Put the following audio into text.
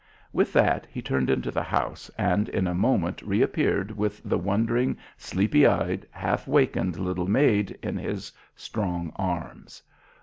With that he turned into the house, and in a moment reappeared with the wondering, sleepy eyed, half wakened little maid in his strong arms.